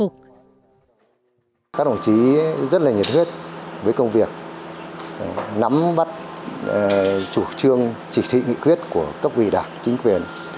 các đồng chí rất là nhiệt huyết với công việc nắm bắt chủ trương chỉ thị nghị quyết của các vị đảng chính quyền